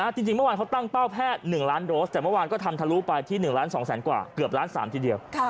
จริงเมื่อวานเขาตั้งเป้าแพทย์๑ล้านโดสแต่เมื่อวานก็ทำทะลุไปที่๑ล้าน๒แสนกว่าเกือบล้าน๓ทีเดียว